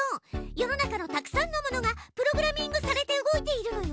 世の中のたくさんのものがプログラミングされて動いているのよ。